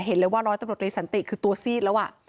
เห็นเลยว่าร้อยตำรวจรีสันติคือตัวซีดแล้ว